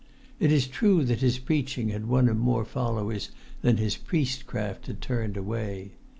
It is true that his preaching had won him more followers than his priestcraft had turned away.